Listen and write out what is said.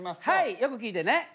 はいよく聞いてね。